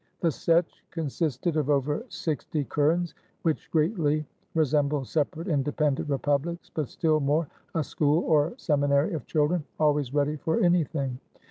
The Setch consisted of over sixty kurens, which greatly resembled separate, independent republics, but still more a school or seminary of children, always ready for anything.